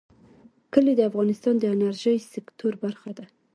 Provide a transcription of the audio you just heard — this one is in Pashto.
کلي د افغانستان د انرژۍ سکتور برخه ده.